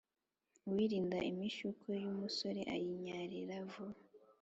uwirinda imishyukwe y'umusore ayinyarira vuba